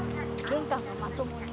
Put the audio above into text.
玄関もまともに。